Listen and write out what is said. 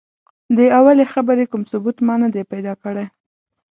د اولې خبرې کوم ثبوت ما نه دی پیدا کړی.